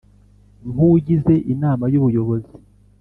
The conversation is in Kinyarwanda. nk ugize Inama y Ubuyobozi